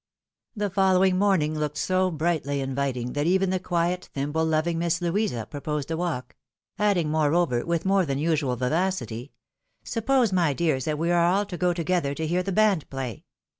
The following morning looked so brightly inviting, that even the quiet, thimble loving Miss Louisa, proposed a walk ; adding, moreover, with more than usual vivacity, " Suppose, my dears, that we were all to go together to hear the band play